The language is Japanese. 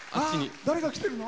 誰が来てるの？